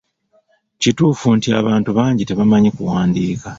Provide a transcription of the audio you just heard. Kituufu nti abantu bangi tebamanyi kuwandiika.